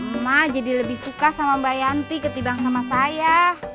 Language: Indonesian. mama jadi lebih suka sama mbak yanti ketibang sama saya